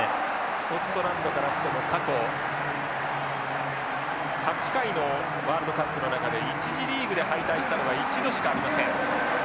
スコットランドからしても過去８回のワールドカップの中で１次リーグで敗退したのは１度しかありません。